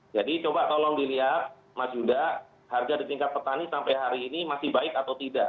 jadi coba tolong dilihat mas yuda harga di tingkat petani sampai hari ini masih baik atau tidak